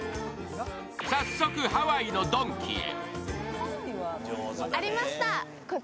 早速ハワイのドンキへ。